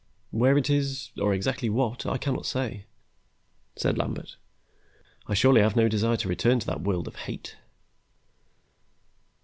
"Where it is, or exactly what, I cannot say," said Lambert. "I surely have no desire to return to that world of hate."